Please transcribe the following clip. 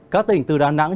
các tỉnh từ đà nẵng